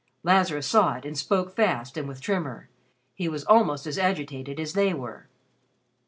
Lazarus saw it and spoke fast and with tremor. He was almost as agitated as they were.